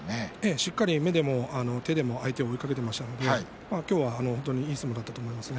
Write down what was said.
しっかり目でも手でも相手を追いかけていましたので今日はいい相撲だったと思いますね。